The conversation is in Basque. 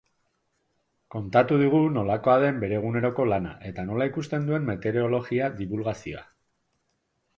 Kontatu digu nolakoa den bere eguneroko lana eta nola ikusten duen meteorologia dibulgazioa.